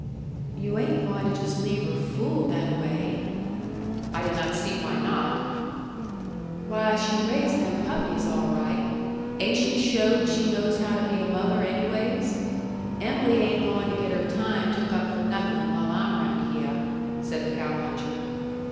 "You ain't going to jus' leave her fooled that a way?" I did not see why not. "Why, she raised them puppies all right. Ain't she showed she knows how to be a mother anyways? Em'ly ain't going to get her time took up for nothing while I'm round hyeh," said the cow puncher.